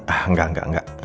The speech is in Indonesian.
ah enggak enggak enggak